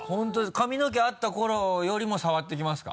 髪の毛あった頃よりも触ってきますか？